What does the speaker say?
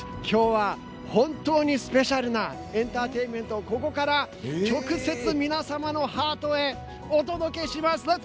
きょうは、本当にスペシャルなエンターテインメントをここから直接皆様のハートへお届けします！